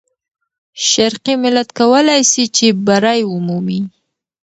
شرقي ملت کولای سي چې بری ومومي.